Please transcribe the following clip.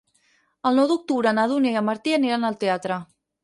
El nou d'octubre na Dúnia i en Martí aniran al teatre.